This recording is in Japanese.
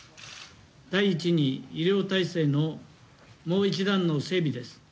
第１に、医療体制のもう１段の整備です。